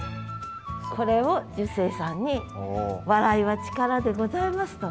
これを寿星さんに「笑い」は力でございますと。